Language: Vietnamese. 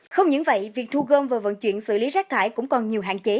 không những vậy việc thu gom và vận chuyển xử lý rác thải cũng còn nhiều hạn chế